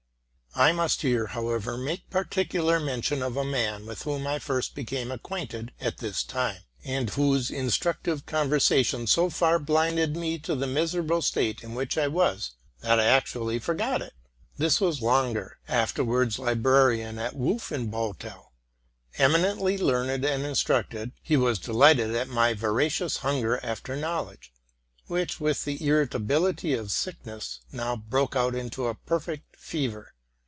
I must here, however, make particular mention of a man with whom I first became acquainted at this time, and whose instructive conversation so far blinded me to the miserable state in which I was, that I actually forgot it. This was Lan ver, afterwards librarian at W olfenbiittel. Eminently learned ancl instructed, he was delighted at my voracious hung er after knowledge, which, with the irritability of sickness, now broke out into a perfect fever.